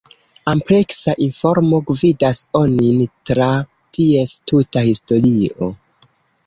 Ampleksa informo gvidas onin tra ties tuta historio.